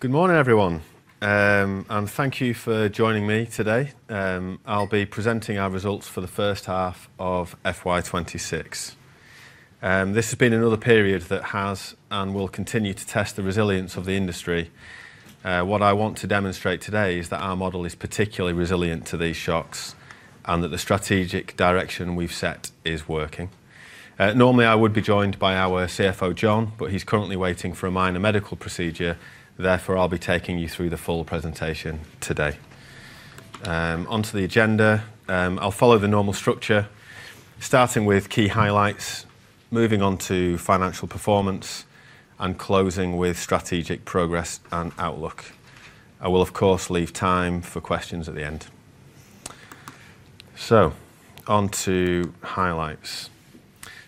Good morning, everyone, and thank you for joining me today. I'll be presenting our results for the first half of FY 2026. This has been another period that has and will continue to test the resilience of the industry. What I want to demonstrate today is that our model is particularly resilient to these shocks, and that the strategic direction we've set is working. Normally, I would be joined by our CFO, Jon, but he's currently waiting for a minor medical procedure, therefore, I'll be taking you through the full presentation today. On to the agenda, I'll follow the normal structure, starting with key highlights, moving on to financial performance, and closing with strategic progress and outlook. I will, of course, leave time for questions at the end. On to highlights.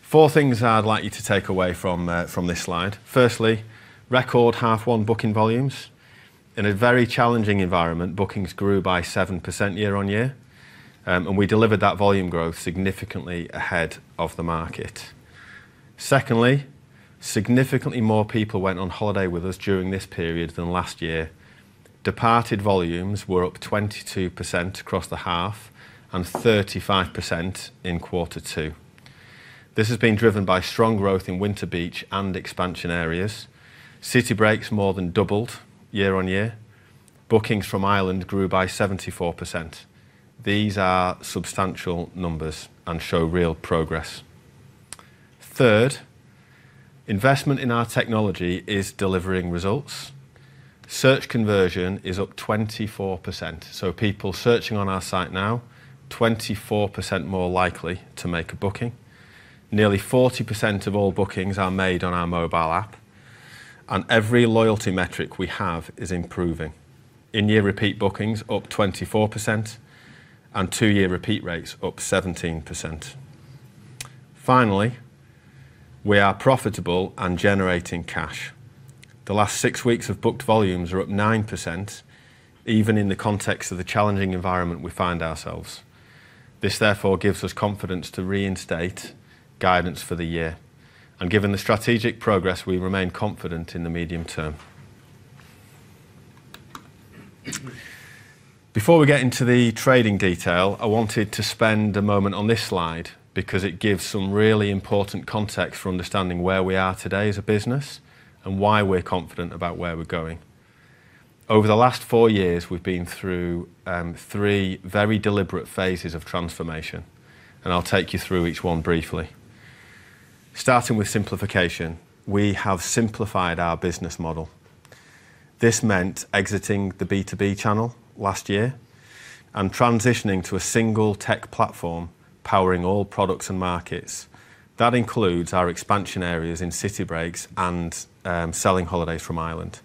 Four things I'd like you to take away from from this slide. Firstly, record half 1 booking volumes. In a very challenging environment, bookings grew by 7% year-on-year, we delivered that volume growth significantly ahead of the market. Secondly, significantly more people went on holiday with us during this period than last year. Departed volumes were up 22% across the half and 35% in quarter 2. This has been driven by strong growth in winter beach and expansion areas. City breaks more than doubled year-on-year. Bookings from Ireland grew by 74%. These are substantial numbers and show real progress. Third, investment in our technology is delivering results. Search conversion is up 24%, people searching on our site now, 24% more likely to make a booking. Nearly 40% of all bookings are made on our mobile app. Every loyalty metric we have is improving. In-year repeat bookings up 24% and two-year repeat rates up 17%. Finally, we are profitable and generating cash. The last 6 weeks of booked volumes are up 9% even in the context of the challenging environment we find ourselves. This therefore gives us confidence to reinstate guidance for the year. Given the strategic progress, we remain confident in the medium term. Before we get into the trading detail, I wanted to spend a moment on this slide because it gives some really important context for understanding where we are today as a business and why we're confident about where we're going. Over the last 4 years, we've been through 3 very deliberate phases of transformation. I'll take you through each one briefly. Starting with simplification, we have simplified our business model. This meant exiting the B2B channel last year and transitioning to a single tech platform powering all products and markets. That includes our expansion areas in city breaks and selling holidays from Ireland.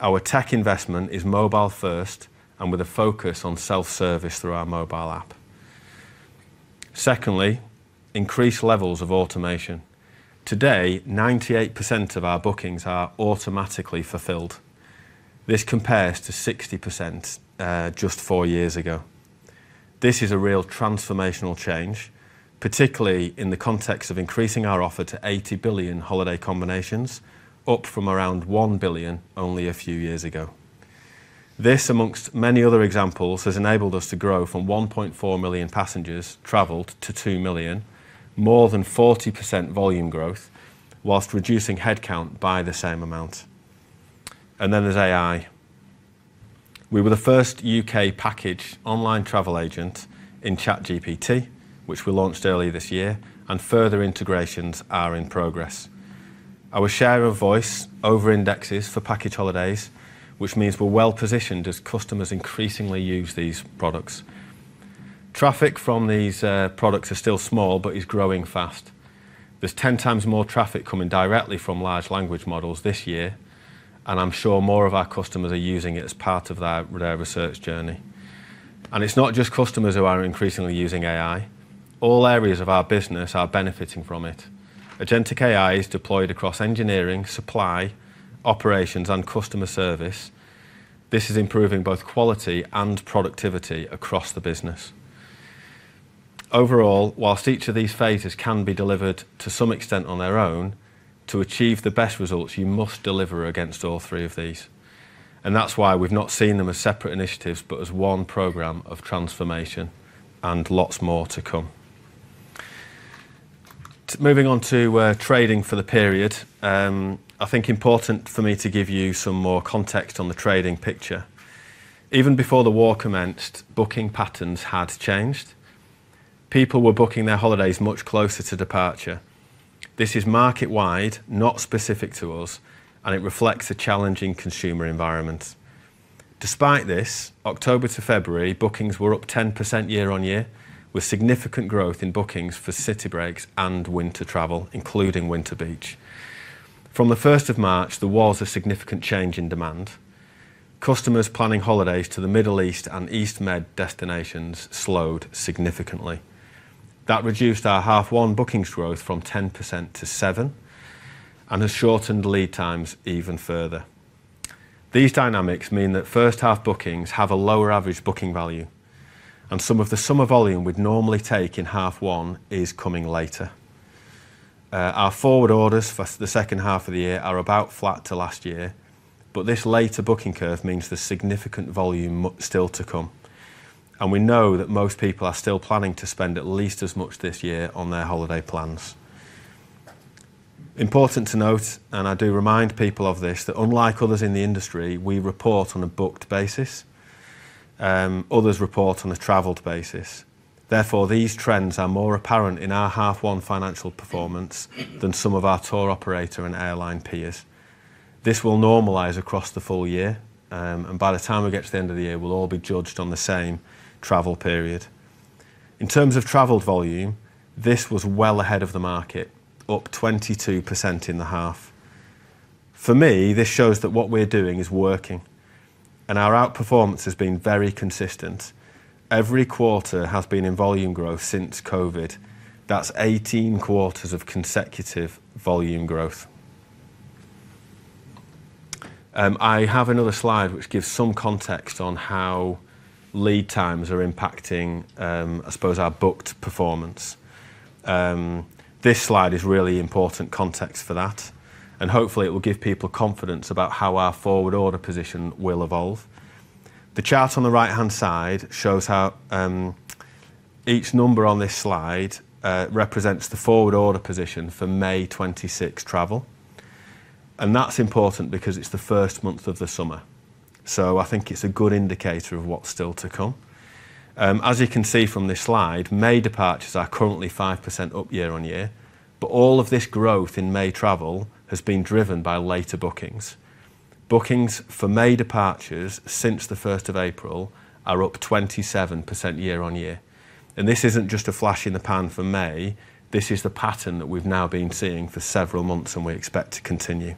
Our tech investment is mobile first and with a focus on self-service through our mobile app. Secondly, increased levels of automation. Today, 98% of our bookings are automatically fulfilled. This compares to 60%, just four years ago. This is a real transformational change, particularly in the context of increasing our offer to 80 billion holiday combinations, up from around 1 billion only a few years ago. This, amongst many other examples, has enabled us to grow from 1.4 million passengers traveled to 2 million, more than 40% volume growth whilst reducing headcount by the same amount. Gen AI. We were the first U.K. package online travel agent in ChatGPT, which we launched early this year. Further integrations are in progress. Our share of voice over indexes for package holidays, which means we're well-positioned as customers increasingly use these products. Traffic from these products are still small, but is growing fast. There's 10 times more traffic coming directly from large language models this year. I'm sure more of our customers are using it as part of their research journey. It's not just customers who are increasingly using AI. All areas of our business are benefiting from it. Agentic AI is deployed across engineering, supply, operations, and customer service. This is improving both quality and productivity across the business. Overall, whilst each of these phases can be delivered to some extent on their own, to achieve the best results, you must deliver against all three of these, and that's why we've not seen them as separate initiatives, but as one program of transformation and lots more to come. Moving on to trading for the period, I think important for me to give you some more context on the trading picture. Even before the war commenced, booking patterns had changed. People were booking their holidays much closer to departure. This is market-wide, not specific to us, and it reflects a challenging consumer environment. Despite this, October to February, bookings were up 10% year-over-year, with significant growth in bookings for city breaks and winter travel, including winter beach. From the first of March, there was a significant change in demand. Customers planning holidays to the Middle East and East Med destinations slowed significantly. That reduced our half 1 bookings growth from 10%-7% and has shortened lead times even further. These dynamics mean that first half bookings have a lower average booking value, and some of the summer volume we'd normally take in half 1 is coming later. Our forward orders for the second half of the year are about flat to last year, but this later booking curve means there's significant volume still to come, and we know that most people are still planning to spend at least as much this year on their holiday plans. Important to note, I do remind people of this, that unlike others in the industry, we report on a booked basis. Others report on a traveled basis. Therefore, these trends are more apparent in our half 1 financial performance than some of our tour operator and airline peers. This will normalize across the full year, and by the time we get to the end of the year, we'll all be judged on the same travel period. In terms of traveled volume, this was well ahead of the market, up 22% in the half. For me, this shows that what we're doing is working, and our outperformance has been very consistent. Every quarter has been in volume growth since COVID. That's 18 quarters of consecutive volume growth. I have another slide which gives some context on how lead times are impacting, I suppose our booked performance. This slide is really important context for that, and hopefully it will give people confidence about how our forward order position will evolve. The chart on the right-hand side shows how each number on this slide represents the forward order position for May 2026 travel, and that's important because it's the 1st month of the summer. I think it's a good indicator of what's still to come. As you can see from this slide, May departures are currently 5% up year-on-year, but all of this growth in May travel has been driven by later bookings. Bookings for May departures since the 1st of April are up 27% year-on-year. This isn't just a flash in the pan for May. This is the pattern that we've now been seeing for several months and we expect to continue.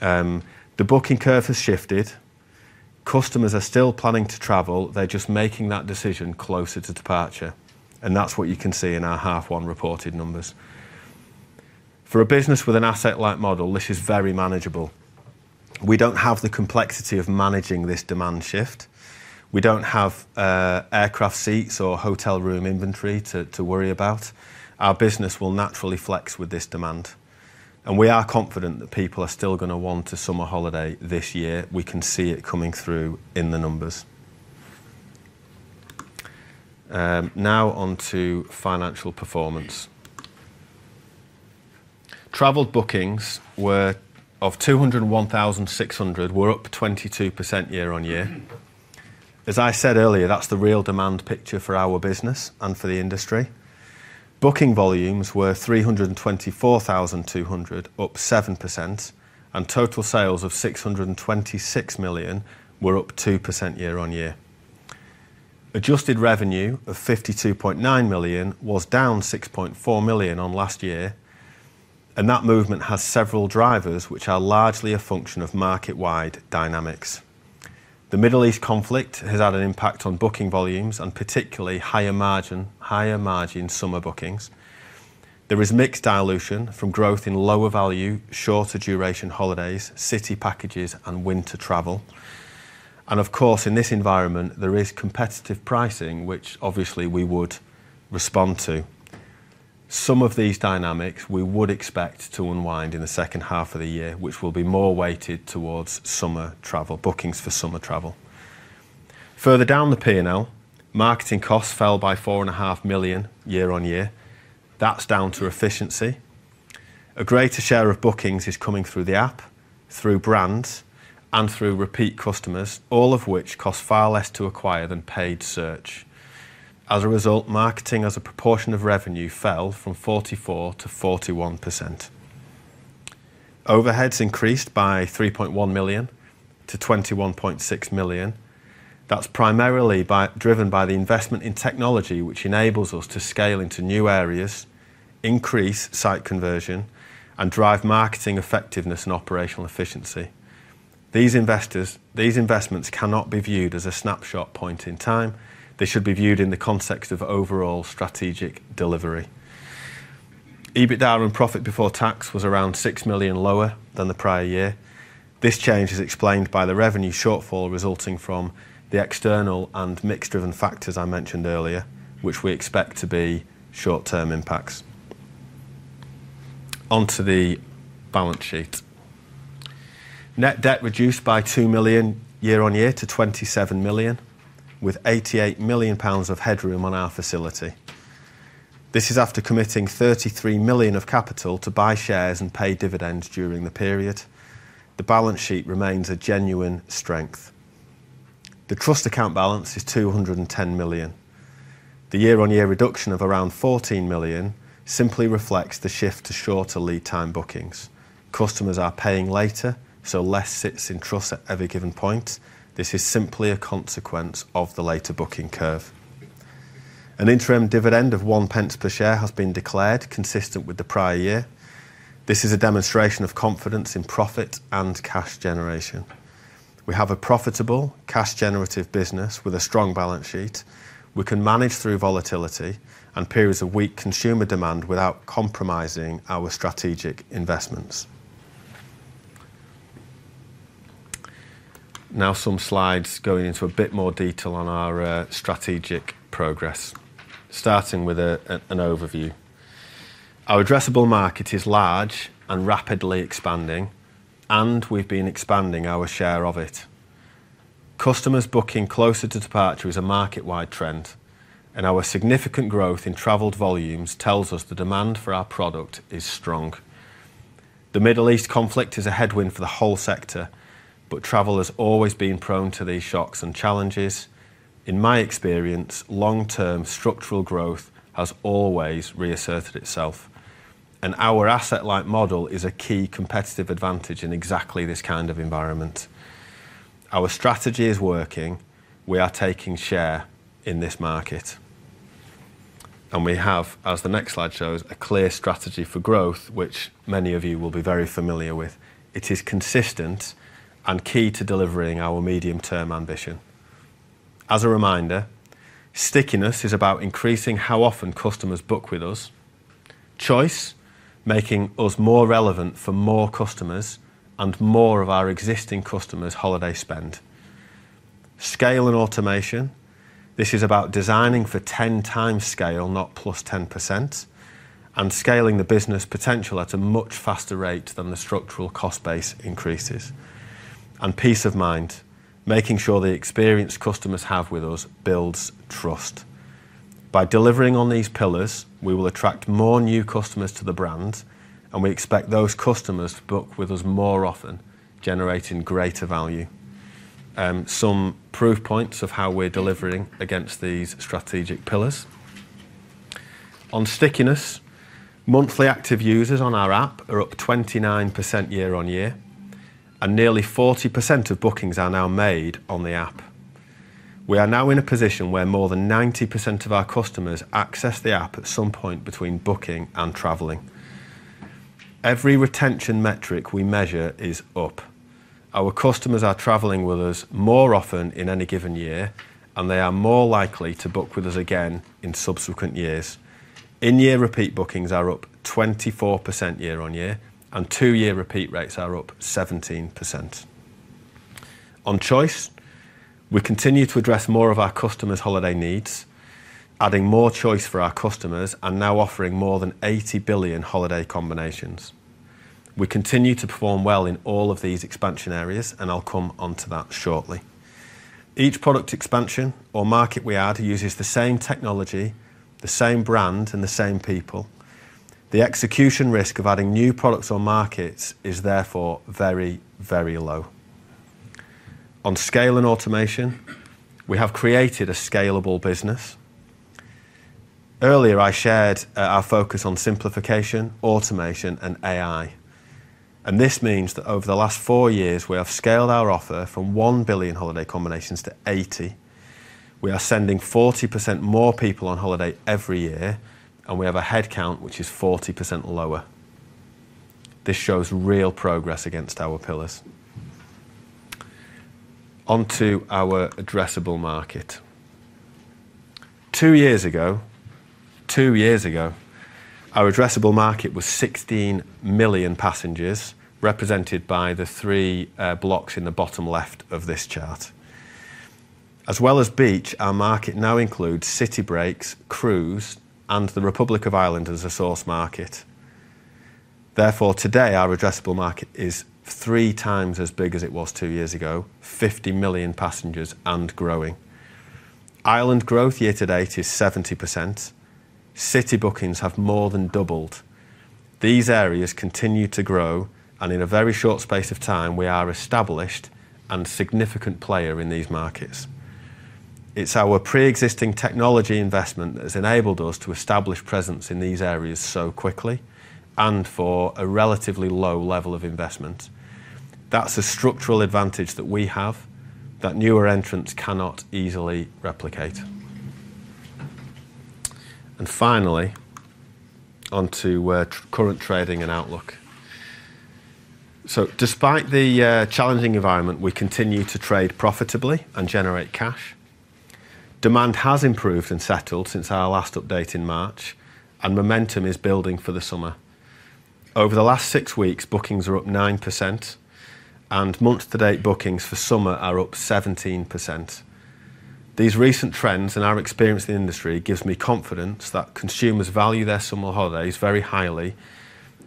The booking curve has shifted. Customers are still planning to travel. They're just making that decision closer to departure, and that's what you can see in our half 1 reported numbers. For a business with an asset-light model, this is very manageable. We don't have the complexity of managing this demand shift. We don't have aircraft seats or hotel room inventory to worry about. Our business will naturally flex with this demand, and we are confident that people are still gonna want a summer holiday this year. We can see it coming through in the numbers. Now on to financial performance. Traveled bookings were of 201,600, were up 22% year-on-year. As I said earlier, that's the real demand picture for our business and for the industry. Booking volumes were 324,200, up 7%. Total sales of 626 million were up 2% year-on-year. Adjusted revenue of 52.9 million was down 6.4 million on last year, and that movement has several drivers, which are largely a function of market-wide dynamics. The Middle East conflict has had an impact on booking volumes and particularly higher margin summer bookings. There is mixed dilution from growth in lower value, shorter duration holidays, city breaks and winter beach. Of course, in this environment, there is competitive pricing, which obviously we would respond to. Some of these dynamics, we would expect to unwind in the second half of the year, which will be more weighted towards bookings for summer travel. Further down the P&L, marketing costs fell by four and a half million year-on-year. That's down to efficiency. A greater share of bookings is coming through the app, through brands, and through repeat customers, all of which cost far less to acquire than paid search. As a result, marketing as a proportion of revenue fell from 44%-41%. Overheads increased by 3.1 million to 21.6 million. That's primarily driven by the investment in technology, which enables us to scale into new areas, increase site conversion, and drive marketing effectiveness and operational efficiency. These investments cannot be viewed as a snapshot point in time. They should be viewed in the context of overall strategic delivery. EBITDA and profit before tax was around 6 million lower than the prior year. This change is explained by the revenue shortfall resulting from the external and mix-driven factors I mentioned earlier, which we expect to be short-term impacts. On to the balance sheet. Net debt reduced by 2 million year-on-year to 27 million, with 88 million pounds of headroom on our facility. This is after committing 33 million of capital to buy shares and pay dividends during the period. The balance sheet remains a genuine strength. The trust account balance is 210 million. The year-on-year reduction of around 14 million simply reflects the shift to shorter lead time bookings. Customers are paying later, so less sits in trust at every given point. This is simply a consequence of the later booking curve. An interim dividend of 0.01 per share has been declared consistent with the prior year. This is a demonstration of confidence in profit and cash generation. We have a profitable, cash generative business with a strong balance sheet. We can manage through volatility and periods of weak consumer demand without compromising our strategic investments. Now some slides going into a bit more detail on our strategic progress, starting with an overview. Our addressable market is large and rapidly expanding. We've been expanding our share of it. Customers booking closer to departure is a market-wide trend. Our significant growth in traveled volumes tells us the demand for our product is strong. The Middle East conflict is a headwind for the whole sector. Travel has always been prone to these shocks and challenges. In my experience, long-term structural growth has always reasserted itself. Our asset-light model is a key competitive advantage in exactly this kind of environment. Our strategy is working. We are taking share in this market. We have, as the next slide shows, a clear strategy for growth, which many of you will be very familiar with. It is consistent and key to delivering our medium-term ambition. As a reminder, stickiness is about increasing how often customers book with us. Choice, making us more relevant for more customers and more of our existing customers' holiday spend. Scale and automation, this is about designing for 10 times scale, not +10%, and scaling the business potential at a much faster rate than the structural cost base increases. Peace of mind, making sure the experience customers have with us builds trust. By delivering on these pillars, we will attract more new customers to the brand, and we expect those customers to book with us more often, generating greater value. Some proof points of how we're delivering against these strategic pillars. On stickiness, monthly active users on our app are up 29% year-on-year, and nearly 40% of bookings are now made on the app. We are now in a position where more than 90% of our customers access the app at some point between booking and traveling. Every retention metric we measure is up. Our customers are traveling with us more often in any given year, and they are more likely to book with us again in subsequent years. In-year repeat bookings are up 24% year-on-year, and 2-year repeat rates are up 17%. On choice, we continue to address more of our customers' holiday needs, adding more choice for our customers, and now offering more than 80 billion holiday combinations. We continue to perform well in all of these expansion areas, and I'll come onto that shortly. Each product expansion or market we add uses the same technology, the same brand, and the same people. The execution risk of adding new products or markets is therefore very, very low. On scale and automation, we have created a scalable business. Earlier, I shared our focus on simplification, automation, and AI, and this means that over the last four years, we have scaled our offer from 1 billion holiday combinations to 80. We are sending 40% more people on holiday every year, and we have a headcount which is 40% lower. This shows real progress against our pillars. Onto our addressable market. Two years ago, our addressable market was 16 million passengers, represented by the three blocks in the bottom left of this chart. As well as beach, our market now includes city breaks, cruise, and the Republic of Ireland as a source market. Today, our addressable market is 3 times as big as it was 2 years ago, 50 million passengers and growing. Ireland growth year to date is 70%. City bookings have more than doubled. These areas continue to grow, in a very short space of time, we are established and significant player in these markets. It's our pre-existing technology investment that has enabled us to establish presence in these areas so quickly and for a relatively low level of investment. That's a structural advantage that we have that newer entrants cannot easily replicate. Finally, onto current trading and outlook. Despite the challenging environment, we continue to trade profitably and generate cash. Demand has improved and settled since our last update in March, and momentum is building for the summer. Over the last six weeks, bookings are up 9%, and month to date bookings for summer are up 17%. These recent trends and our experience in the industry gives me confidence that consumers value their summer holidays very highly,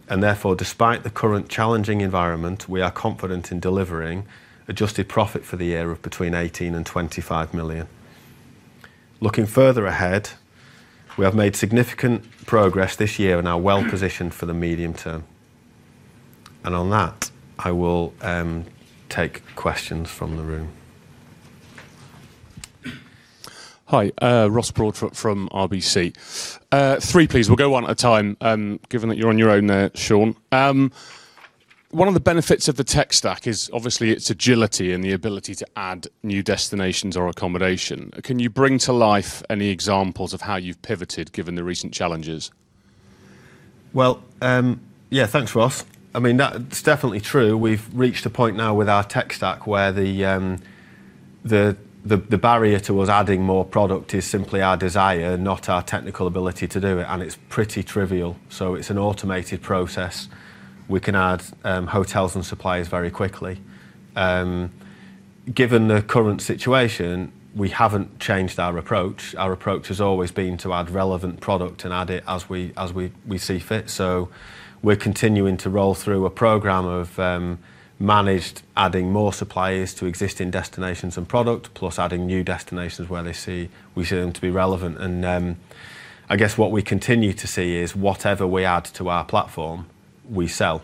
and therefore, despite the current challenging environment, we are confident in delivering adjusted profit for the year of between 18 million and 25 million. Looking further ahead, we have made significant progress this year and are well-positioned for the medium term. On that, I will take questions from the room. Hi, Ross Broadfoot from RBC. Three, please. We'll go one at a time, given that you're on your own there, Shaun. One of the benefits of the tech stack is obviously its agility and the ability to add new destinations or accommodation. Can you bring to life any examples of how you've pivoted given the recent challenges? Well, yeah, thanks, Ross. I mean, it's definitely true. We've reached a point now with our tech stack where the barrier towards adding more product is simply our desire, not our technical ability to do it, and it's pretty trivial. It's an automated process. We can add hotels and suppliers very quickly. Given the current situation, we haven't changed our approach. Our approach has always been to add relevant product and add it as we see fit. We're continuing to roll through a program of managed adding more suppliers to existing destinations and product, plus adding new destinations where we see them to be relevant. I guess what we continue to see is whatever we add to our platform, we sell.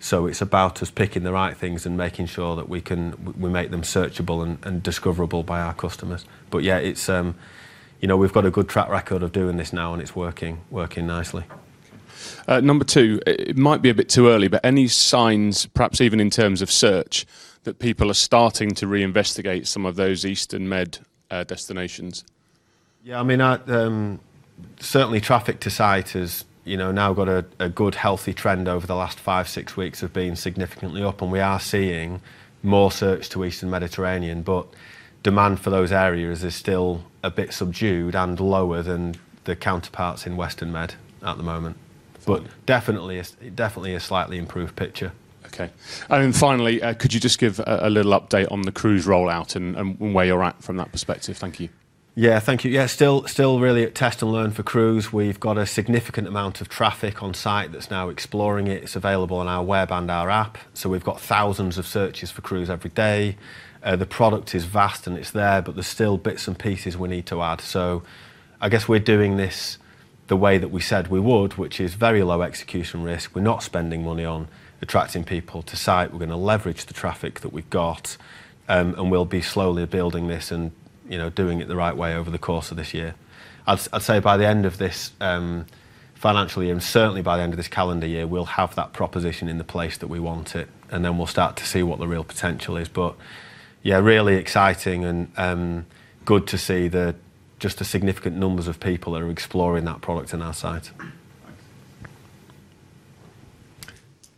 It's about us picking the right things and making sure that we can make them searchable and discoverable by our customers. Yeah, it's, you know, we've got a good track record of doing this now and it's working nicely. Number 2. It might be a bit too early, but any signs, perhaps even in terms of search, that people are starting to reinvestigate some of those Eastern Med destinations? Yeah, I mean, I, certainly traffic to site has, you know, now got a good, healthy trend over the last five, six weeks have been significantly up. We are seeing more search to Eastern Mediterranean, demand for those areas is still a bit subdued and lower than the counterparts in Western Med at the moment. Definitely a slightly improved picture. Okay. Finally, could you just give a little update on the cruise rollout and where you're at from that perspective? Thank you. Thank you. Still really at test and learn for cruise. We've got a significant amount of traffic on site that's now exploring it. It's available on our web and our app. We've got thousands of searches for cruise every day. The product is vast and it's there, but there's still bits and pieces we need to add. I guess we're doing this the way that we said we would, which is very low execution risk. We're not spending money on attracting people to site. We're gonna leverage the traffic that we've got, and we'll be slowly building this and, you know, doing it the right way over the course of this year. I'd say by the end of this financial year, and certainly by the end of this calendar year, we'll have that proposition in the place that we want it, and then we'll start to see what the real potential is. Yeah, really exciting and good to see the significant numbers of people that are exploring that product in our site. Thanks.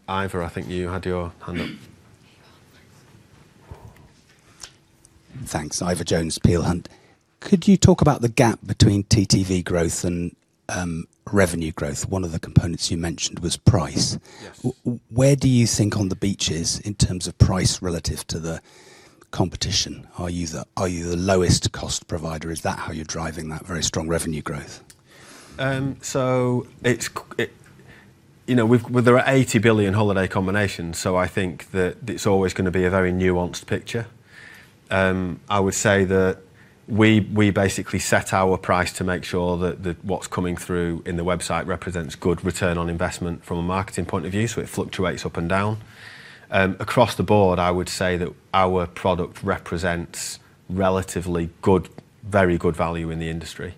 Ivor, I think you had your hand up. Thanks. Ivor Jones, Peel Hunt. Could you talk about the gap between TTV growth and revenue growth? One of the components you mentioned was price. Yes. Where do you think On the Beach is in terms of price relative to the competition? Are you the lowest cost provider? Is that how you're driving that very strong revenue growth? You know, well, there are 80 billion holiday combinations, so I think that it's always gonna be a very nuanced picture. I would say that we basically set our price to make sure that what's coming through in the website represents good return on investment from a marketing point of view, so it fluctuates up and down. Across the board, I would say that our product represents relatively good, very good value in the industry.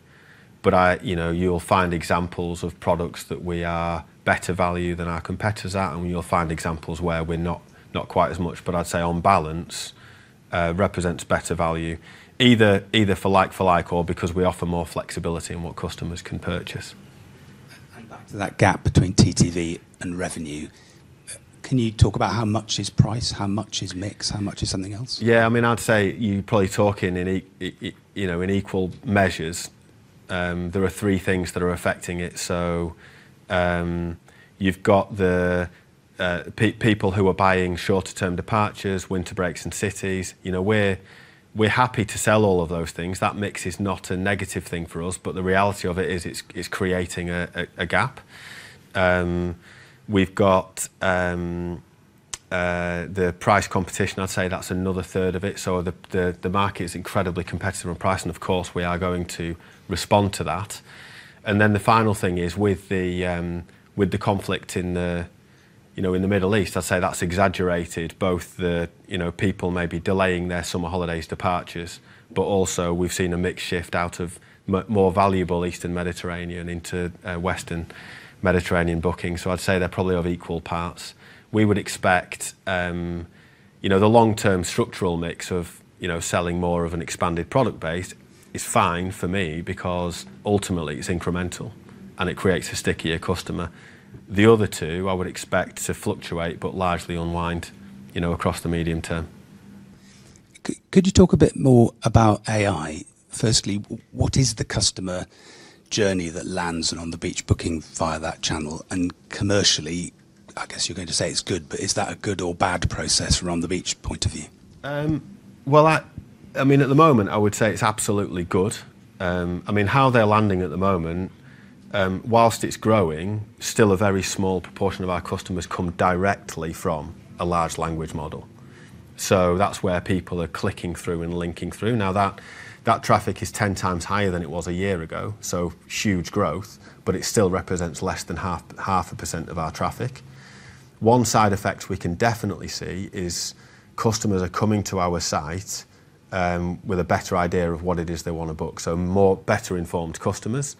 You know, you'll find examples of products that we are better value than our competitors are, and you'll find examples where we're not quite as much. I'd say on balance, represents better value either for like for like or because we offer more flexibility in what customers can purchase. Back to that gap between TTV and revenue. Can you talk about how much is price, how much is mix, how much is something else? Yeah, I mean, I'd say you're probably talking in equal measures. There are three things that are affecting it. You've got the people who are buying shorter term departures, winter breaks and cities. You know, we're happy to sell all of those things. That mix is not a negative thing for us, but the reality of it is it's creating a gap. We've got the price competition. I'd say that's another third of it. The market is incredibly competitive on price, and of course, we are going to respond to that. The final thing is with the conflict in the Middle East, I'd say that's exaggerated both the people may be delaying their summer holidays departures, but also we've seen a mix shift out of more valuable Eastern Mediterranean into Western Mediterranean bookings. I'd say they're probably of equal two parts. We would expect the long-term structural mix of selling more of an expanded product base is fine for me because ultimately it's incremental and it creates a stickier customer. The other two, I would expect to fluctuate but largely unwind across the medium term. Could you talk a bit more about AI? Firstly, what is the customer journey that lands an On the Beach booking via that channel? Commercially, I guess you're going to say it's good, is that a good or bad process from On the Beach point of view? Well, I mean, at the moment, I would say it's absolutely good. I mean, how they're landing at the moment, whilst it's growing, still a very small proportion of our customers come directly from a large language model. That's where people are clicking through and linking through. Now that traffic is 10 times higher than it was a year ago, huge growth, it still represents less than 0.5% of our traffic. One side effect we can definitely see is customers are coming to our site with a better idea of what it is they want to book, more better informed customers.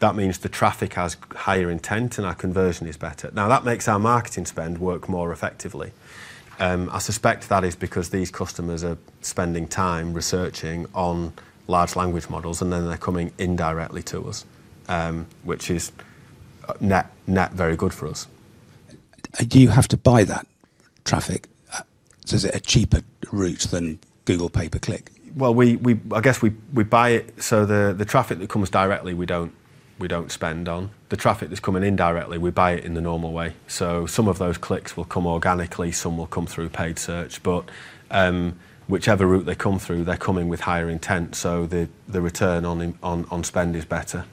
That means the traffic has higher intent and our conversion is better. Now, that makes our marketing spend work more effectively. I suspect that is because these customers are spending time researching on large language models, and then they're coming indirectly to us, which is net very good for us. Do you have to buy that traffic? Is it a cheaper route than Google pay-per-click? I guess we buy it so the traffic that comes directly, we don't spend on. The traffic that's coming in directly, we buy it in the normal way. Some of those clicks will come organically, some will come through paid search. Whichever route they come through, they're coming with higher intent, so the return on spend is better.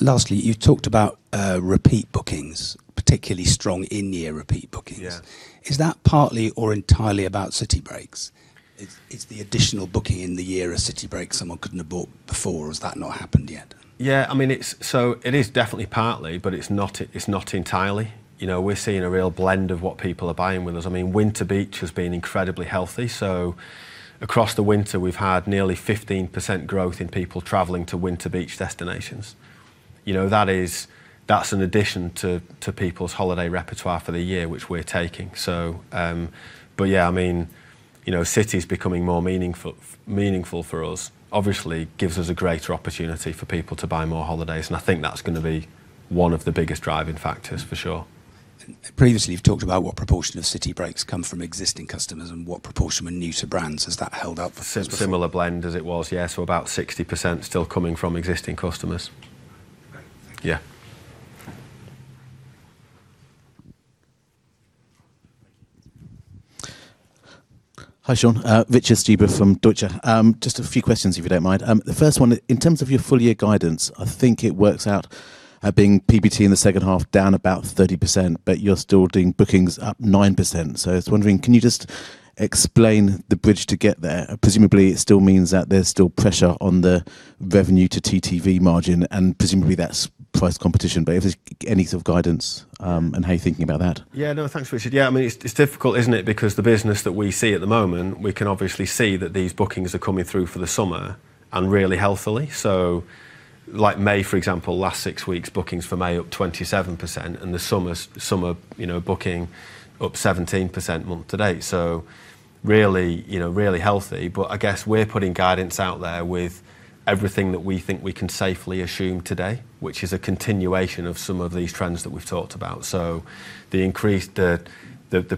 Lastly, you've talked about, repeat bookings, particularly strong in-year repeat bookings. Yeah. Is that partly or entirely about city breaks? Is the additional booking in the year a city break someone couldn't have booked before, or has that not happened yet? Yeah, I mean, it is definitely partly, but it's not entirely. You know, we're seeing a real blend of what people are buying with us. I mean, Winter Beach has been incredibly healthy, across the winter, we've had nearly 15% growth in people traveling to Winter Beach destinations. You know, that's an addition to people's holiday repertoire for the year, which we're taking. Yeah, I mean, you know, city breaks becoming more meaningful for us obviously gives us a greater opportunity for people to buy more holidays, and I think that's gonna be one of the biggest driving factors for sure. Previously, you've talked about what proportion of city breaks come from existing customers and what proportion were new to brands. Has that held up for? Similar blend as it was, yeah. About 60% still coming from existing customers. Okay. Thank you. Yeah. Hi, Shaun. Richard Stuber from Deutsche. Just a few questions, if you don't mind. The first one, in terms of your full year guidance, I think it works out being PBT in the second half down about 30%, but you're still doing bookings up 9%. I was wondering, can you just explain the bridge to get there? Presumably, it still means that there's still pressure on the revenue to TTV margin, and presumably that's price competition. If there's any sort of guidance, and how you're thinking about that. Thanks, Richard. I mean, it's difficult, isn't it? The business that we see at the moment, we can obviously see that these bookings are coming through for the summer and really healthily. Like May, for example, last six weeks, bookings for May up 27%, and the summer, you know, booking up 17% month to-date. Really, you know, really healthy. I guess we're putting guidance out there with everything that we think we can safely assume today, which is a continuation of some of these trends that we've talked about. The increase, the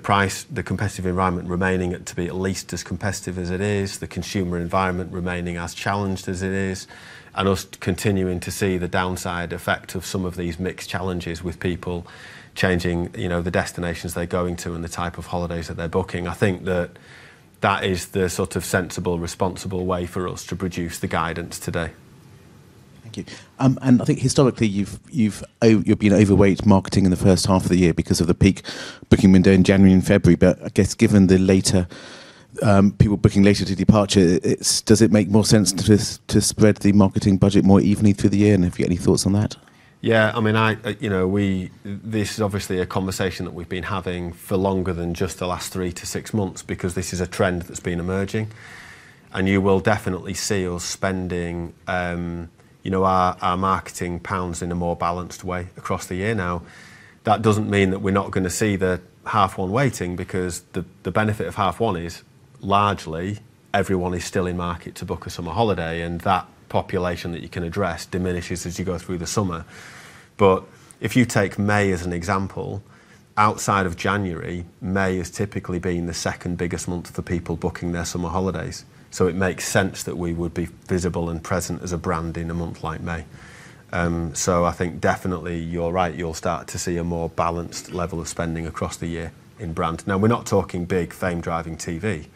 price, the competitive environment remaining to be at least as competitive as it is, the consumer environment remaining as challenged as it is, and us continuing to see the downside effect of some of these mixed challenges with people changing, you know, the destinations they're going to and the type of holidays that they're booking. I think that that is the sort of sensible, responsible way for us to produce the guidance today. Thank you. I think historically, you've been overweight marketing in the first half of the year because of the peak booking window in January and February. I guess given the later, people booking later to departure, does it make more sense to spread the marketing budget more evenly through the year? Have you any thoughts on that? I mean, you know, this is obviously a conversation that we've been having for longer than just the last 3 to 6 months because this is a trend that's been emerging, and you will definitely see us spending, you know, our marketing pounds in a more balanced way across the year now. That doesn't mean that we're not gonna see the H1 waiting because the benefit of H1 is largely everyone's still in market to book a summer holiday, and that population that you can address diminishes as you go through the summer. If you take May as an example, outside of January, May has typically been the second biggest month for people booking their summer holidays. It makes sense that we would be visible and present as a brand in a month like May. I think definitely you're right. You'll start to see a more balanced level of spending across the year in brand. Now we're not talking big fame driving TV,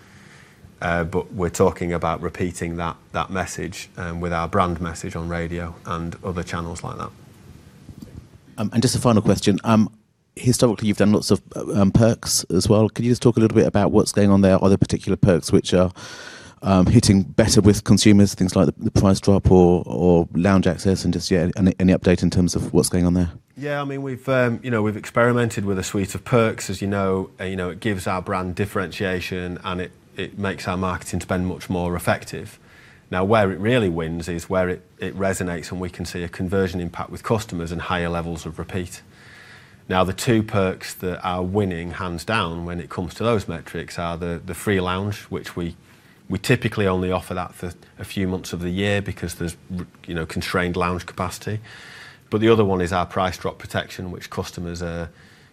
we're talking about repeating that message with our brand message on radio and other channels like that. Just a final question. Historically, you've done lots of perks as well. Could you just talk a little bit about what's going on there? Are there particular perks which are hitting better with consumers, things like the Price Drop or Lounge Access and just any update in terms of what's going on there? Yeah, I mean, you know, we've experimented with a suite of perks, as you know. You know, it gives our brand differentiation, and it makes our marketing spend much more effective. Now, where it really wins is where it resonates, and we can see a conversion impact with customers and higher levels of repeat. Now, the 2 perks that are winning hands down when it comes to those metrics are the free lounge access, which we typically only offer that for a few months of the year because there's constrained lounge capacity. The other one is our Price Drop Protection, which customers are,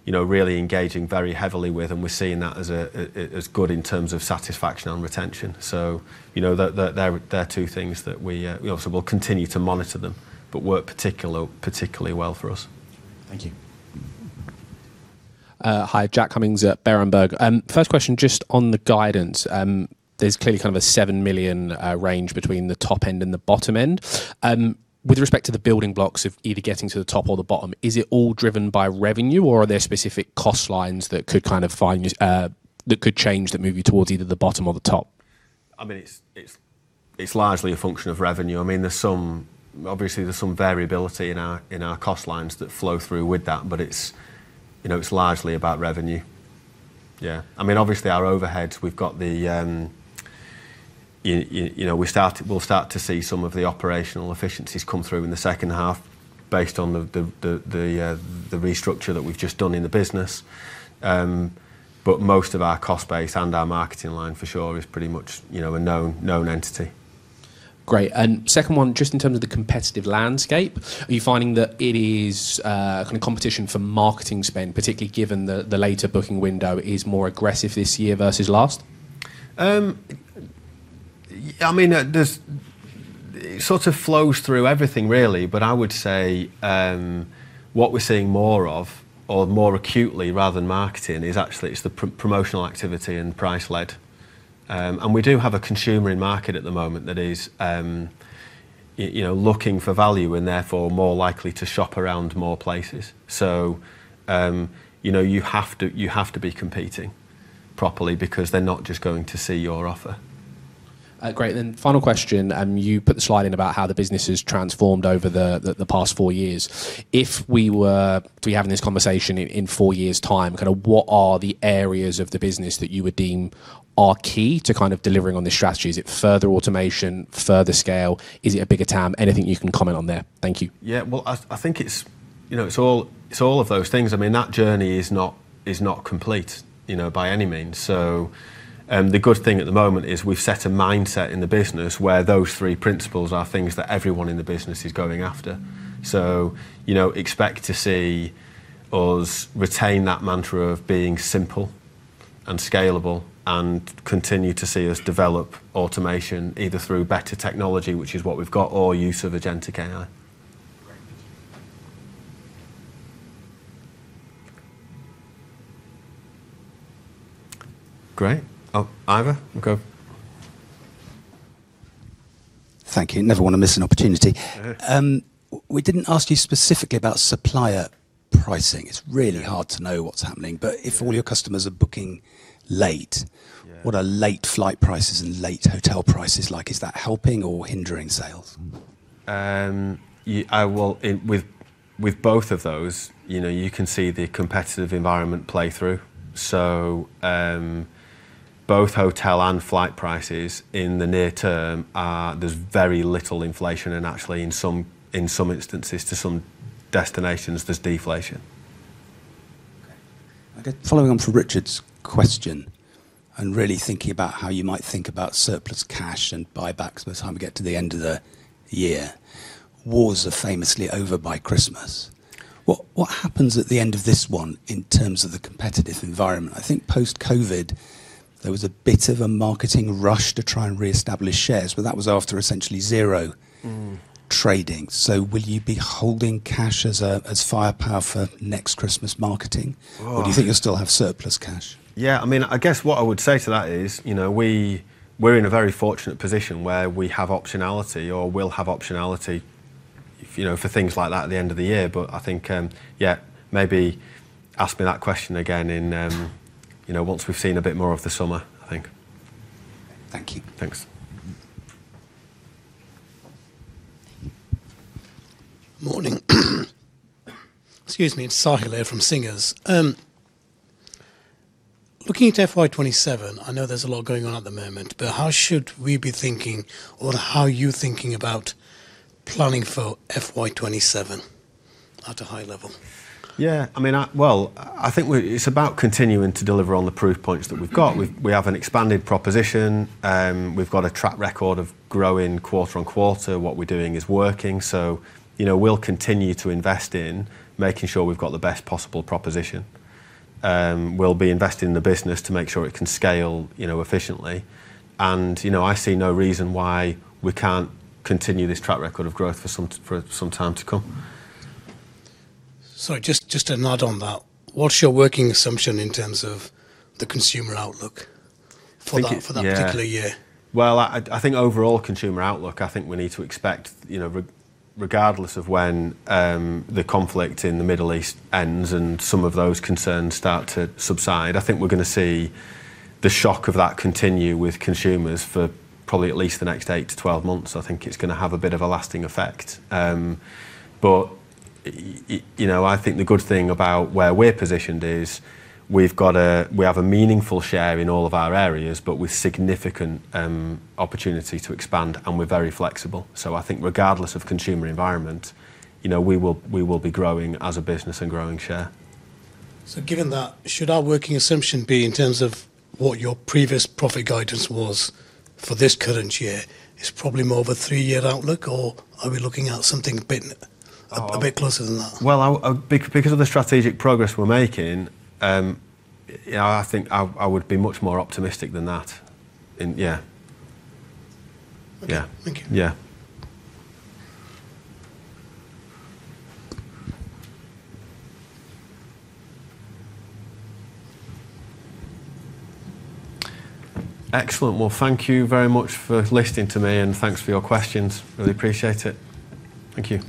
you know, really engaging very heavily with, and we're seeing that as good in terms of satisfaction and retention. You know, they're two things that we also will continue to monitor them but work particularly well for us. Thank you. Hi, Jack Cummings at Berenberg. First question, just on the guidance, there's clearly kind of a 7 million range between the top end and the bottom end. With respect to the building blocks of either getting to the top or the bottom, is it all driven by revenue, or are there specific cost lines that could change that move you towards either the bottom or the top? I mean, it's largely a function of revenue. I mean, obviously there's some variability in our cost lines that flow through with that, but it's, you know, it's largely about revenue. Yeah. I mean, obviously our overheads, we've got, you know, we'll start to see some of the operational efficiencies come through in the second half based on the restructure that we've just done in the business. Most of our cost base and our marketing line for sure is pretty much, you know, a known entity. Great. Second one, just in terms of the competitive landscape, are you finding that it is kind of competition for marketing spend, particularly given the later booking window is more aggressive this year versus last? I mean, It sort of flows through everything really. I would say, what we're seeing more of or more acutely rather than marketing is actually it's the promotional activity and price led. We do have a consumer in market at the moment that is, you know, looking for value and therefore more likely to shop around more places. You know, you have to be competing properly because they're not just going to see your offer. Great. Final question, you put the slide in about how the business has transformed over the past 4 years. If we were to be having this conversation in 4 years' time, kind of what are the areas of the business that you would deem are key to kind of delivering on this strategy? Is it further automation, further scale? Is it a bigger TAM? Anything you can comment on there. Thank you. Yeah. Well, I think it's, you know, it's all of those things. I mean, that journey is not complete, you know, by any means. The good thing at the moment is we've set a mindset in the business where those three principles are things that everyone in the business is going after. You know, expect to see us retain that mantra of being simple and scalable and continue to see us develop automation either through better technology, which is what we've got, or use of agentic AI. Great. Great. Oh, Ivor, go. Thank you. Never wanna miss an opportunity. No. We didn't ask you specifically about supplier pricing. It's really hard to know what's happening. Yeah. If all your customers are booking late. Yeah What are late flight prices and late hotel prices like? Is that helping or hindering sales? Well, in, with both of those, you know, you can see the competitive environment play through. Both hotel and flight prices in the near term are, there's very little inflation and actually in some instances to some destinations, there's deflation. Okay. Following on from Richard's question and really thinking about how you might think about surplus cash and buybacks by the time we get to the end of the year, wars are famously over by Christmas. What happens at the end of this one in terms of the competitive environment? I think post-COVID there was a bit of a marketing rush to try and reestablish shares, but that was after essentially zero trading. Will you be holding cash as a, as firepower for next Christmas marketing? Oh. Do you think you'll still have surplus cash? Yeah, I mean, I guess what I would say to that is, you know, we're in a very fortunate position where we have optionality or will have optionality if, you know, for things like that at the end of the year. I think, yeah, maybe ask me that question again in, you know, once we've seen a bit more of the summer, I think. Thank you. Thanks. Morning. Excuse me. It's Sahill here from Singers. Looking at FY 2027, I know there's a lot going on at the moment, but how should we be thinking or how are you thinking about planning for FY 2027 at a high level? Yeah, I mean, I think it's about continuing to deliver on the proof points that we've got. We have an expanded proposition. We've got a track record of growing quarter on quarter. What we're doing is working. You know, we'll continue to invest in making sure we've got the best possible proposition. We'll be investing in the business to make sure it can scale, you know, efficiently. You know, I see no reason why we can't continue this track record of growth for some time to come. Sorry, just to add on that, what's your working assumption in terms of the consumer outlook? Thinking- For that particular year? Well, I think overall consumer outlook, I think we need to expect, you know, regardless of when the conflict in the Middle East ends and some of those concerns start to subside, I think we're going to see the shock of that continue with consumers for probably at least the next 8-12 months. I think it's going to have a bit of a lasting effect. But, you know, I think the good thing about where we're positioned is we have a meaningful share in all of our areas, but with significant opportunity to expand, and we're very flexible. I think regardless of consumer environment, you know, we will be growing as a business and growing share. Given that, should our working assumption be in terms of what your previous profit guidance was for this current year is probably more of a three-year outlook, or are we looking at something a bit closer than that? Well, because of the strategic progress we're making, yeah, I think I would be much more optimistic than that in, yeah. Okay. Yeah. Thank you. Yeah. Excellent. Well, thank you very much for listening to me, and thanks for your questions. Really appreciate it. Thank you.